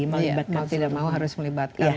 mau tidak mau harus melibatkan